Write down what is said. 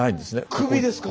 首ですか？